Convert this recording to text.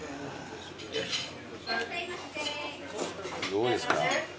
どうですか？